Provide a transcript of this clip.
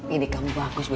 ide kamu bagus beb